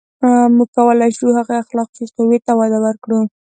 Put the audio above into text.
• موږ کولای شو، هغې اخلاقي قوې ته وده ورکړو.